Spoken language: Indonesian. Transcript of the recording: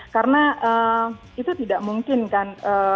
karena itu tidak memungkinkan